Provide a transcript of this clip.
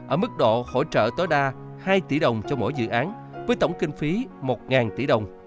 ở mức độ hỗ trợ tối đa hai tỷ đồng cho mỗi dự án với tổng kinh phí một tỷ đồng